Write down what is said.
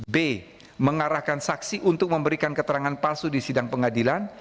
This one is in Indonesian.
b mengarahkan saksi untuk memberikan keterangan palsu di sidang pengadilan